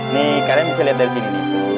nih karya bisa lihat dari sini